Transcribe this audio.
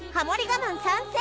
我慢参戦